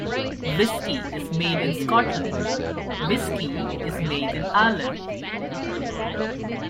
Whisky is made in Scotland; whiskey is made in Ireland.